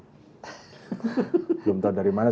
belum tahu dari mana